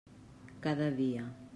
Cada dia.